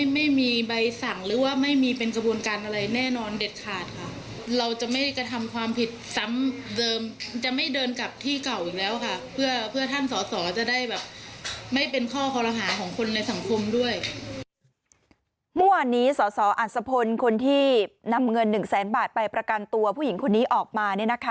เมื่อวานนี้สสอัศพลคนที่นำเงิน๑แสนบาทไปประกันตัวผู้หญิงคนนี้ออกมา